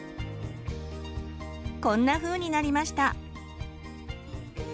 こんなふうになりました。